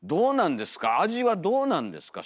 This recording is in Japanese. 味はどうなんですか？